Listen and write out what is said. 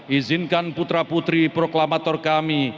izinkan putra putri proklamator kami